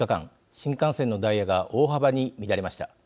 新幹線のダイヤが大幅に乱れました。